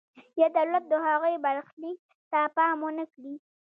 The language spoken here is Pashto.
یا دولت د هغوی برخلیک ته پام ونکړي.